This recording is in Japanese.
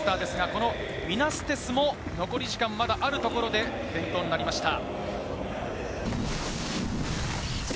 ミナ・ステスも残り時間まだあるところで転倒になりました。